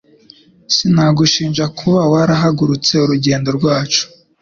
Sinagushinja kuba warahagaritse urugendo rwacu.